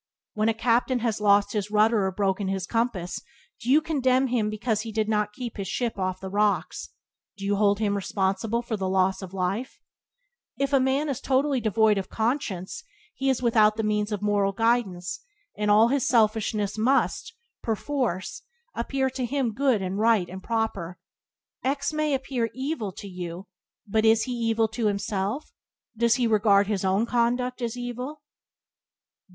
When a captain has lost his rudder or broken his compass, do you condemn him because he did not keep his ship off the rocks? Do you hold him responsible for the loss of life? Byways to Blessedness by James Allen 46 If a man is totally devoid of conscience, he is without the means of moral guidance, and all his selfishness must, perforce, appear to him good and right and proper. X may appear evil to you, but is he evil to himself? Does he regard his own conduct as evil?